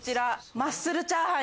マッスルチャーハン